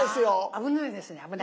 危ないですね。